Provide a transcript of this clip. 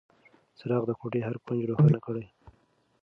څراغ د کوټې هر کونج روښانه کړ.